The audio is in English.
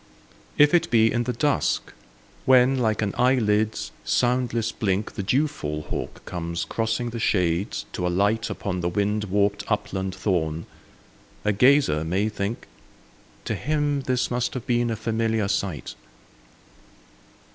If it be in the dusk when, like an eyelid's soundless blink, The dewfall hawk comes crossing the shades to alight Upon the wind warped upland thorn, a gazer may think, "To him this must have been a familiar sight."